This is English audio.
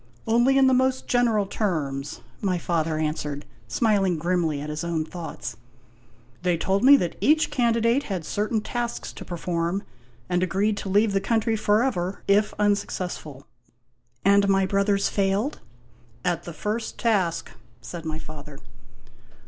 " Only in the most general terms," my father answered, smiling grimly at his own thoughts. " They told me that each candidate had certain tasks to perform, and agreed to leave the country for ever if unsuccessful." "And my brothers failed?' " At the first task," said my father.